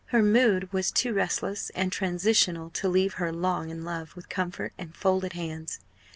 Her mood was too restless and transitional to leave her long in love with comfort and folded hands.